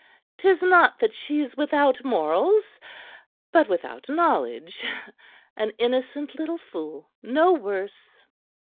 "'Tis not that she is without morals but without knowledge. An innocent little fool; no worse."